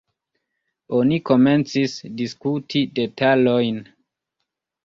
Oni komencis diskuti detalojn.